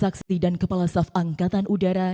saksi dan kepala staf angkatan udara